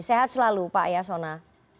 sehat selalu pak yasona